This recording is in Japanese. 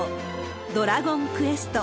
ドラゴンクエスト。